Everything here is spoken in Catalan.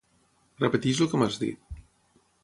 Repeteix el que m'has dit.